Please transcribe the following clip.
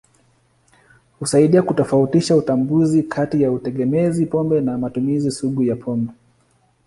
Husaidia kutofautisha utambuzi kati ya utegemezi pombe na matumizi sugu ya pombe.